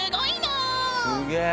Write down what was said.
すげえ。